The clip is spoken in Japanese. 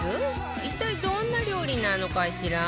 一体どんな料理なのかしら？